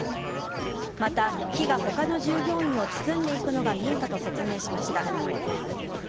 また、火が他の従業員を包んでいくのが見えたと説明しました。